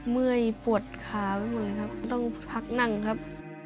เมื่อยปวดขาไปหมดเลยครับต้องพักนั่งครับ